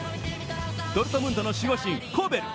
ドルトムントの守護神コベル。